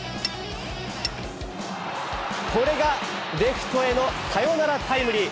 これがレフトへのサヨナラタイムリー。